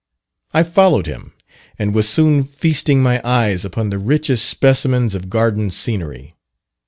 I followed him, and was soon feasting my eyes upon the richest specimens of garden scenery.